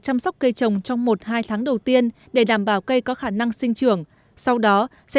chăm sóc cây trồng trong một hai tháng đầu tiên để đảm bảo cây có khả năng sinh trưởng sau đó sẽ